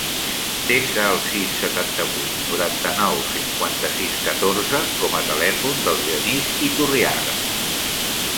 Desa el sis, setanta-vuit, noranta-nou, cinquanta-sis, catorze com a telèfon del Genís Iturriaga.